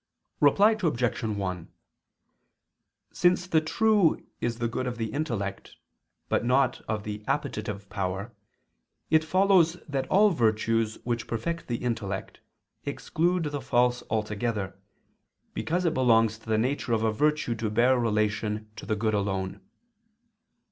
Reply Obj. 1: Since the true is the good of the intellect, but not of the appetitive power, it follows that all virtues which perfect the intellect, exclude the false altogether, because it belongs to the nature of a virtue to bear relation to the good alone.